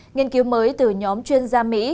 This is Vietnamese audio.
nghiên cứu mới từ nhóm chuyên gia mỹ